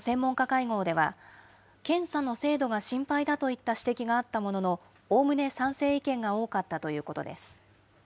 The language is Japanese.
厚生労働省の専門家会合では、検査の精度が心配だといった指摘があったものの、おおむね賛成意見が多かったということです。